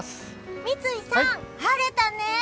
三井さん、晴れたね！